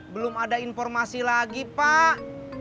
belum ada informasi lagi pak